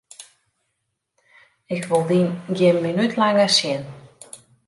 Ik wol dyn gjin minút langer sjen!